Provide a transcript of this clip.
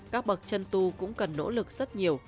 các bậc chân tu cũng cần nỗ lực rất nhiều